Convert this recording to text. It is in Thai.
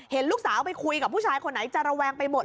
เห็นลูกสาวไปคุยกับผู้ชายคนไหนจะระแวงไปหมด